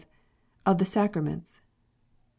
Of the Sacraments. 20.